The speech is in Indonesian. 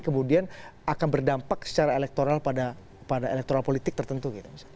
kemudian akan berdampak secara elektoral pada elektoral politik tertentu